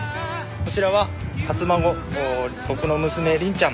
こちらは初孫僕の娘凛ちゃん。